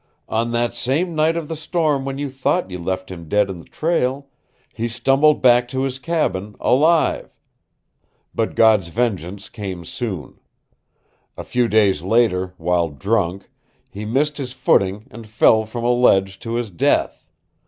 "On that same night of the storm when you thought you left him dead in the trail, he stumbled back to his cabin, alive. But God's vengeance came soon. "A few days later, while drunk, he missed his footing and fell from a ledge to his death.